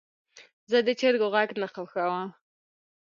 زه د چرګو غږ نه خوښوم.